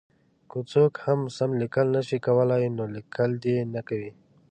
که څوک سم لیکل نه شي کولای نو لیکل دې نه کوي.